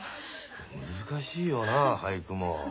難しいよな俳句も。